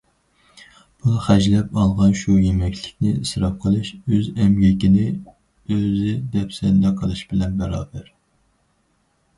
پۇل خەجلەپ ئالغان شۇ يېمەكلىكنى ئىسراپ قىلىش ئۆز ئەمگىكىنى ئۆزى دەپسەندە قىلىش بىلەن باراۋەر.